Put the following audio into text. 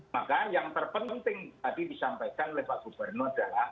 maka yang terpenting tadi disampaikan oleh pak gubernur adalah